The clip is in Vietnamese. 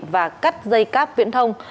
và cắt dây cắp viễn thông